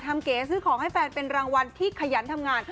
เก๋ซื้อของให้แฟนเป็นรางวัลที่ขยันทำงาน